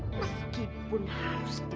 meskipun harus jadi